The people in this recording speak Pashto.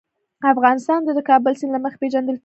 افغانستان د د کابل سیند له مخې پېژندل کېږي.